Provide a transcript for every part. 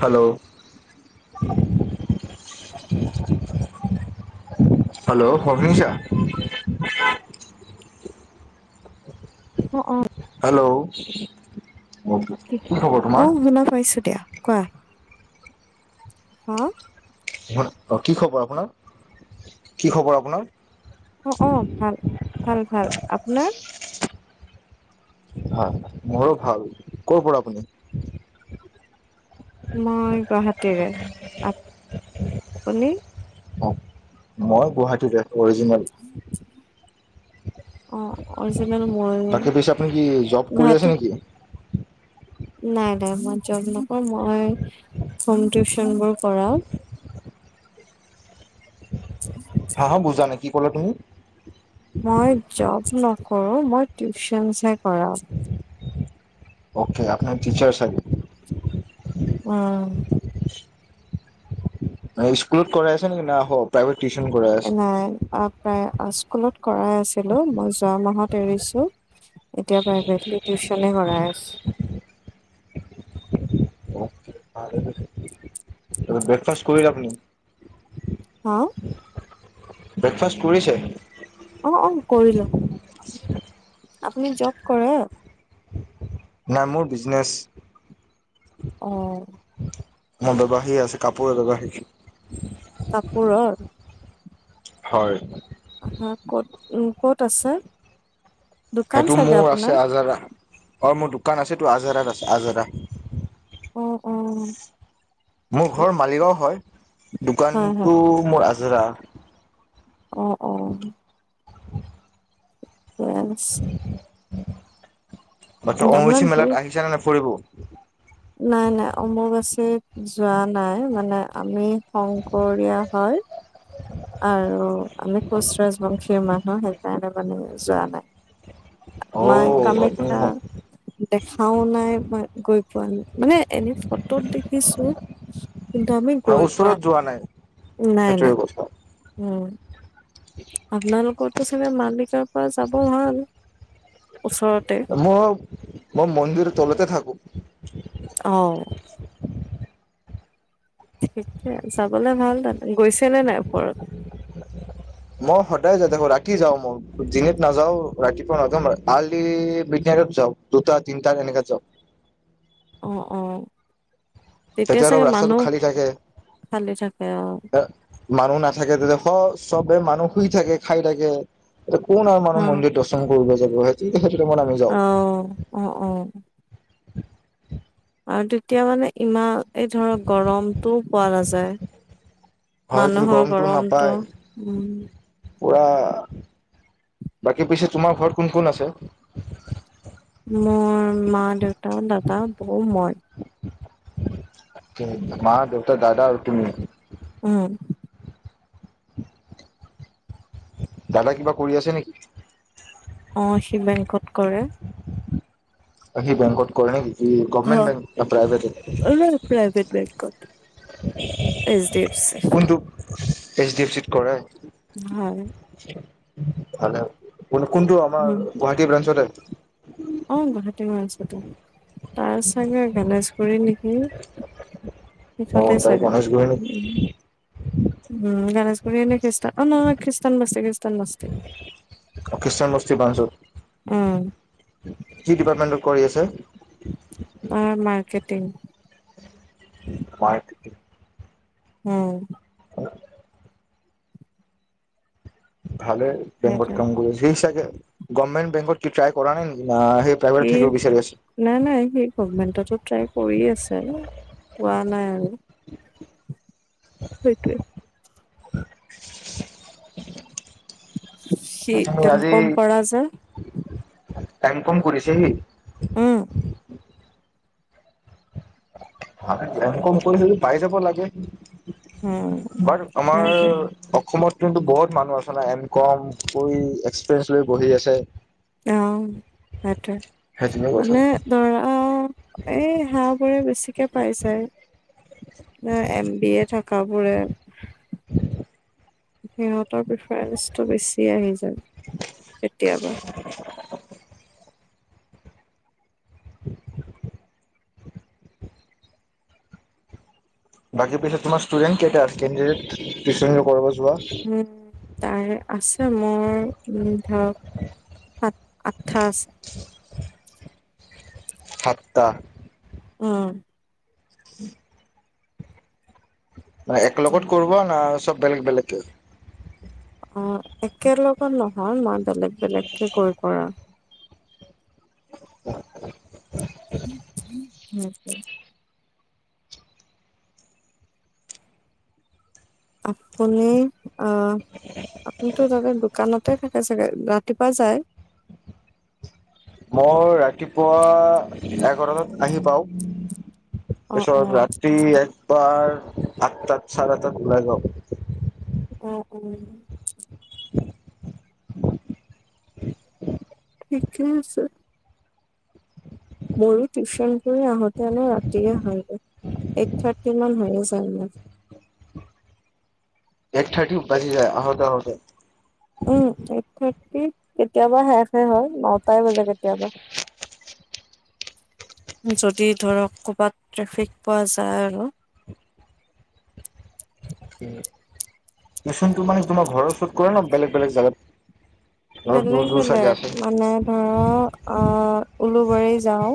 Hello hello শ-শুনিছা? অ অ। হেল্ল' কি খবৰ তোমাৰ অঁ শুনা পাইছো দিয়া, কোৱা? হা? অঁ কি খবৰ আপোনাৰ? কি খবৰ আপোনাৰ? অঁ অঁ ভাল, ভাল-ভাল, আপোনাৰ? হয়, মোৰো ভাল। ক'ৰ পৰা আপুনি? মই গুৱাহাটীৰে। আপ-পুনি? মই গুৱাহাটীৰে, অৰিজিনেল অ', অৰিজিনেল মোৰ- বাকী পিছে আপুনি কি জব কৰি আছে নেকি? নাই নাই মই জব নক মই হোম টিউচন বোৰ কৰাওঁ। হা হা বুজা নাই কি কলা তুমি? মই জব নকৰো মই টিউচনচে কৰাও। অ'কে আপোনাৰ টিচাৰ চাগে। অ' অ' স্কুলত কৰাই আছে নেকি না হল? প্ৰাইভেট টিউচন কৰা নাই, আক স্কুলত কৰাই আছিলো মই যোৱা মাহত তৰিছো। এতিয়াপা গধূলি টিউশনে কৰাই আছ- ব্ৰেকফাষ্ট কৰিলে আপুনি? হা? ব্ৰেকফাষ্ট কৰিছে? অ' অ' কৰিলো। আপুনি জব কৰে? নাই- মোৰ বিজনেছ। অ্। ম ব্যৱসাৰী আছে কাপোৰ' ব্যৱসায়ি। কাপোৰৰ? হয়। হয় ক'ত, উ ক'ত আছে? দোকান সেইটো চাগে মোৰ আছে আপোনাৰ আজাৰা। হয় মোৰ দোকান আছেতো আজাৰাত আছে আজাৰা। অঁ অঁ। মোৰ ঘৰ মালিগাঁও হয়। হয় হয় দোকানটো মোৰ আজৰা। অ' অ'। বেয়া লুটছে আচ্ছা অহ, আপোনাৰ অম্বুবাচী মেলাত দূৰ আহিছানে নাই ফুৰিব? নাই নাই অম্বুবাচীত যোৱা নাই মানে আমি শংকৰীয়া হয়। আৰু আমি কোচ ৰাজবংশীয় মানুহ, সেইকাৰণে মানে যোৱা নাই। অ মাই কামাখ্যা দেখাও নাই, মই গৈ পোৱা নাই। মানে এনেই ফটোত দেখিছোঁ কিন্তু আমি গৈ পোৱা ওচৰত নাই। যোৱা নাই, সেইটোৱে নাই, কথা উম। [unintelligible] আপোনালোকৰতো চাগে মালিকাৰ পৰা যাব ভাল ওচৰতে। মই, মই মন্দিৰৰ তলতে থাকোঁ। অহ। ঠিকে যাবলে ভাল তাত, গৈছেনে নাই ওপৰত। মই সদায় যায় থাকো, ৰাতি যাওঁ মই, দিনেত নাযাওঁ, ৰাতিপুৱা নাযাওঁ মই। কালি মিনেৰেত যাওঁ, দুটা তিনটা এনেকাত যাওঁ। অহ', অহ' তেতিয়া অলপ চাগে ৰাস্তাটো মানুহ খালী থাকে খালি থাকে অহ। মানুহ নাথাকে তেতিয়া স চবে মানুহ শুই থাকে, খায় থাকে। একো নাই মানুহ অ মন্দিৰ দৰ্শন কৰিব যাব হে। টিত সেইটোতে মই নামি দিছোঁ। অহ', অহ', অহ'। আৰু তেতিয়া মানে ইমান, এই ধৰক গৰমটোও পোৱা নাযায়। হয় মানুহৰ গৰমটো নাপায় উম। পুৰা, বাকী পিছে তোমাৰ ঘৰত কোন কোন আছে? মোৰ মা-দেউতা দাদা-বৌ মই। মা-দেউতা দাদা আৰু তুমি। উম। দাদা কিবা কৰি আছে নেকি? অহ, সি বেংকত কৰে। সি বেংকত কৰে নেকি? কি গভমেণ্ট অহ। বেংক না প্ৰাইভেট অ' নাই প্ৰাইভেট বেংকত এচ ডি এফ। চি কোনটো এচ ডি এফ চিট কৰে? হয়। ভালে, কোনটো? আমাৰ গুৱাহাটী ব্ৰাঞ্চতে। অহ, গুৱাহাটী ব্ৰাঞ্চতে। তাৰ চাগে গণেশগুৰি নেকি। অ সেইফালে তাই চাগে গণেশগুৰি নেকি উম', উম'। উম, গণেশগুৰিয়েনে খিষ্টা অ' নহয় খিষ্টানবস্তি-খ্ৰিষ্টানবস্তি। অহ, খ্ৰীষ্টান বস্তি ব্ৰাঞ্চত। উম। কি ডিপাৰ্টমেন্টত কৰি আছে? অহ, মাৰ্কেটিং। মই উম। [unintelligible] ভালে বেংকত সেইটোৱে কাম কৰি আছে। সি চাগে গভমেণ্ট বেংকত কি ট্ৰাই কৰা নাই নেকি নাই সি প্ৰাইভেটত থাকিব বিচাৰি আছে। নাই নাই সি গভমেণ্টতো ট্ৰাই কৰি আছে, পোৱা নাই আৰু। হয় সেইটোৱে হয় সি সেহতি এম আজি কম কৰা যে টাইম কম কৰিছেহি উম কম কৰি যদি পাই যাব লাগে উম বাট আমাৰ সেইটোৱে অসমত কিন্তু বহুত মানুহ আছে ন ইন কাম কৰি এক্সপিৰিয়েঞ্চ লৈ বহি আছে অ সেইটোয়ে সেই তেনেকুৱা কথা মানে দৰা এই হাঁহ বোৰে বেছিকে পাই যায় ন এম বি এ থকা বোৰে সিহঁতৰ প্ৰিফাৰেঞ্চটো বেছি আহি যায় কেতিয়াবা হয় উম বাকী পিছত তোমাৰ ষ্টুডেণ্ট কেইটা আছে কেনডিডেট টিউচন যোৱা উম তাই আছে মোৰ উম ধৰক সাত আঠটা আছে হয় সাতটা অ মানে উম। একলগত কৰিব না চব বেলেগ বেলেগে অ একে লগত নহয় মই বেলেগ বেলেগকে কৈ কৰা হয় উম আপুনি অ আপুনিতো তাতে দোকানত তাতে থাকে চাগে ৰাতিপুৱা যায় মই ৰাতিপুৱা এঘাৰটাত আহি পাওঁ অ', পিছত অ'। ৰাতি একবাৰ আঠটাত চাৰে আঠটাত ওলাই যাও। অ অ ঠিকে আছে মোৰো টিউচন আহোতে আ ৰাতিয়ে হয় গ এইট থাৰ্টি মান হয় যাই ম এইট থাৰ্টি উকলি যায় আহতে আহতে উম এইট থাৰ্টি কেতিয়াবা শেষ হয় নটাই বাজে কেতিয়াবা উম যদি ধৰক ক'বাত ট্ৰেফিক পোৱা যায় আৰু মচনটো মানে তোমাৰ ঘৰৰ ওচৰত কৰে ন বেলেগ বেলেগ জাগাত বেলেগ বেলেগ মানে ধৰা আহ উলোবাৰী যাও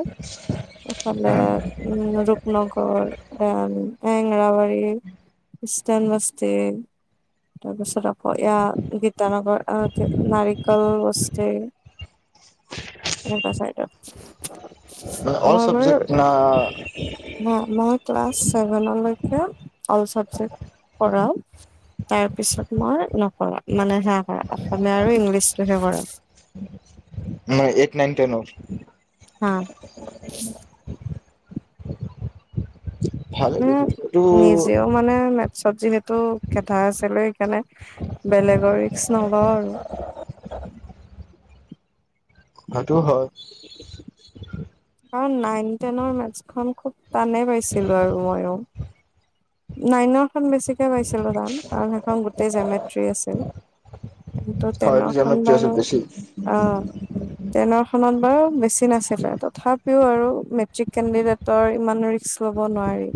ইফালে আছে উম নগৰ এনংৰাবাৰী ইষ্টান বছতি তাৰপিছত আকৌ এয়া গীতানগৰ নাৰিকল বস্তি সেইটো চাইদত অল চাবজেক্ট না উম মই ক্লাছ চে ছেভেনলৈকে অল চাবজেক্ট পঢ়াও ইয়াৰ পিছত মই নকৰাও মানে সেয়া কৰা অসমীয়া আৰু ইংলিছটোহে কৰা মই এইট নাইন টেনৰ অ ভালে উম, দেখি এইটো নিজেও মানে চব যিহেতু গেধা আছিলে, সেইকাৰণে বেলেগৰ ৰিক্স নলও আৰু। সেইটো হয়। কাৰণ নাইন টেনৰ মেথছখন খুব টানে পাইছিলো আৰু মইয়ো। নাইনৰখন বেছিকে পাইছিলো টান কাৰণ সেইখন গোটেই জেমেট্ৰি আছিল। কিন্তু হয় এইটো টেনৰখন জেমেট্ৰি আছিল বেছি। টেনৰ খনত বাৰু বেছি নাছিলে। তথাপিও আৰু মেট্ৰিক কেণ্ডিডেটৰ ইমান ৰিক্স ল'ব নোৱাৰি।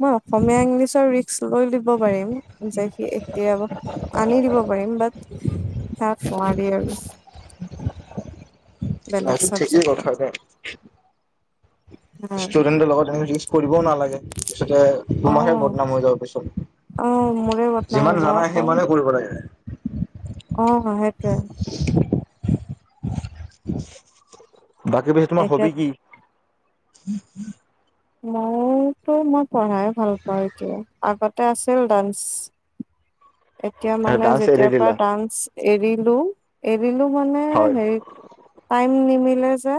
মই অসম মীয়া, ইংলিছৰ ৰিক্স লৈ দিব পাৰিম। যে সি এতিয়াও আনি দিব পাৰিম। বাট তাক নোৱাৰি আৰু। বেলেগ সেইটো ঠিকেই কথা চাবজেক্টত দে। ষ্টুডেন্টৰ লগত এনেকুৱা কৰিবও নালাগে। পিছতে হে অ তোমাৰহে বদনাম হৈ যাব অ পিছত, মোৰে বদনাম যিমান হ'ব জানাই আকৌ সিমানে কৰিব লাগে। অ' সেইটোৱে। বাকী, পিছে তোমাৰ এতিয়া হবি কি? মই টো মই পঢ়াই ভাল পাওঁ এতিয়া, আগতে আছিল ডান্স। এতিয়া মানে ডান্স এৰি যেতিয়াৰ পৰা দিলা ডান্স এৰিলো, এৰিলো মানে হয় হেৰি টাইম নিমিলে যে,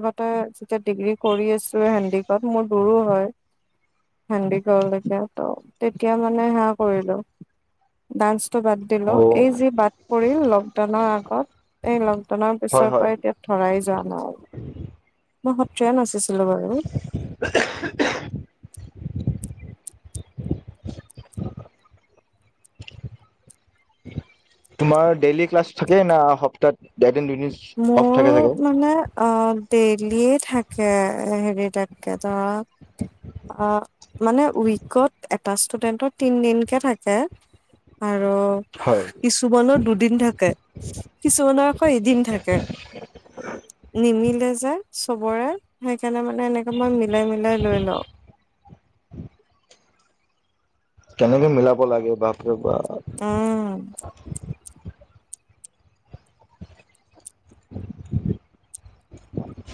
আগতে যেতিয়া ডিগ্ৰী কৰি আছোঁ হেনডি। তাত মোৰ দূৰো হয়। হেন্দি গড়লৈকে, ত' তেতিয়া মানে হা কৰিলো ডান্সটো বাদ দিলো, অ এই যি বাট পৰিল লকডাউনৰ আগত এই লকডাউনৰ হয় পিছৰ পৰা হয় এতিয়া ধৰাই যোৱা নাই, মই সত্ৰীয়া নাচিছিলো বাৰু। [unintelligible] [inaudible] তোমাৰ ডেইলি ক্লাছ থাকে না, সপ্তাহত এদিন-দুদিন। মোৰ মানে অ' ডেইলিয়ে থাকে, হেৰি তাতকে ধৰা। অ' মানে উইকত এটা ষ্টুডেন্টৰ তিন দিনকে থাকে। আৰু হয় কিছুমানৰ দুদিন থাকে, কিছুমানৰ আকৌ এদিন থাকে। নিমিলে যে চবৰে। সেইকাৰণে মানে এনেকে মই মিলাই মিলাই লৈ লওঁ। কেনেকে মিলাব লাগে। বাপৰে বাপ! উম।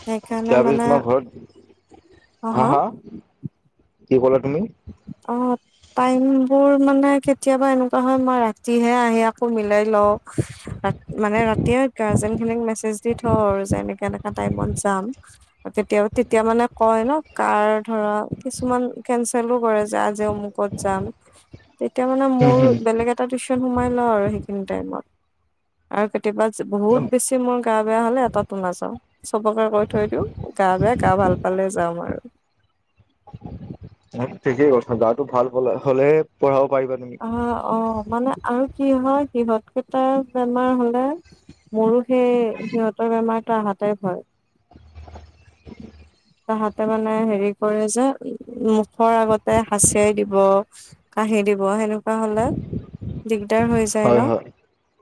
সেইকাৰণে যাবি মানে ন' ঘৰত। অহ হা হা? কি ক'লা তুমি? অ'। টাইমবোৰ মানে কেতিয়াবা এনেকুৱা হয়, মই ৰাতিহে আহি আকৌ মিলাই লওঁ। মানে ৰাতিয়ে গাৰ্জেনখিনিক মেছেজ দি থওঁ আৰু যে এনেকা এনেকা টাইমত যাম। কেতিয়া তেতিয়া মানে কয় ন, কাৰ ধৰা! কিছুমান কেনচেলো কৰে যে আজি অমুকত যাম, তেতিয়া মানে হম মোৰ হম বেলেগ এটা টিউচ [unintelligible] আৰু সেইখিনি টাইমত, আৰু কেতিয়াবা বহুত বেছি মোৰ গা-বেয়া হলে এটাটো নাযাও। চবকে কৈ থৈ দিও, গা-বেয়া গা ভাল পালে যাাম আৰু। ঠিকেই কথা, গাটো ভাল হলে-হলেহে পঢ়াব পাৰিবা। তুমি অঁ অঁ মানে আৰু কি হয় সিহঁতকেইটাৰ বেমাৰ হলে মোৰো সেই সিহঁতৰ বেমাৰতো অহাতে ভয়। তাহাঁতে মানে হেৰি কৰে যে- মুখৰ আগতে হাচিয়াই দিব, কাহি দিব সেনেকুৱা হলে, দিগদাৰ হৈ যায় হয় ন? হয়